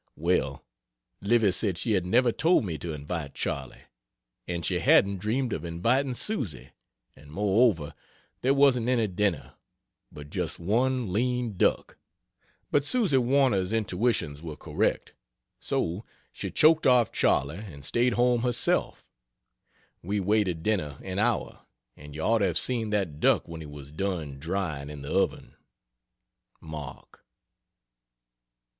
Well, Livy said she had never told me to invite Charley and she hadn't dreamed of inviting Susy, and moreover there wasn't any dinner, but just one lean duck. But Susy Warner's intuitions were correct so she choked off Charley, and staid home herself we waited dinner an hour and you ought to have seen that duck when he was done drying in the oven. MARK.